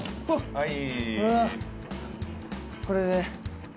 はい。